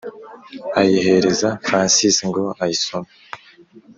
ayihereza francis ngo ayisome.